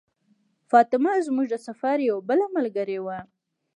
فاطمه زموږ د سفر یوه بله ملګرې وه.